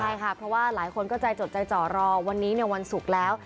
ใช่ค่ะเพราะว่าหลายคนก็ใจจดใจจ่อรอวันนี้วันศุกร์แล้ว